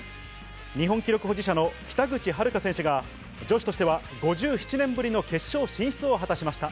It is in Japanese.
日本記録保持者の北口榛花選手が女子としては５７年ぶりの決勝進出を果たしました。